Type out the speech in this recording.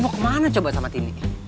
mau kemana coba sama tini